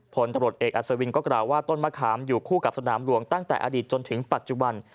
ผลตำรวจเอกอัศวินก็กล่าวว่าต้นมะขามอยู่คู่กับสนามหลวงตั้งแต่อดีตจนถึงปัจจุบัน